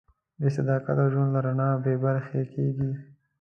بېصداقته ژوند له رڼا بېبرخې کېږي.